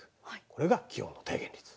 これが気温の逓減率。